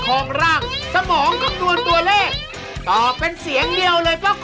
โอ้โฮนตกตกตกโอ้โฮย